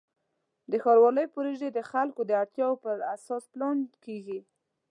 د ښاروالۍ پروژې د خلکو د اړتیاوو پر اساس پلان کېږي.